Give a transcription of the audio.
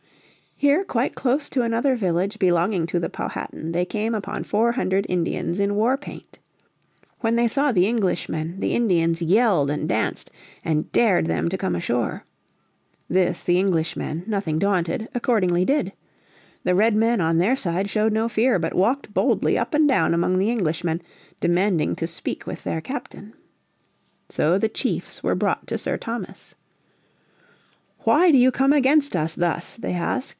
Here quite close to another village belonging to the Powhatan they came upon four hundred Indians in war paint. When they saw the Englishmen the Indians yelled and danced, and dared them to come ashore. This the Englishmen, nothing daunted, accordingly did. The Redmen on their side showed no fear, but walked boldly up and down among the Englishmen, demanding to speak with their captain. So the chiefs were brought to Sir Thomas. "Why do you come against us thus?" they asked.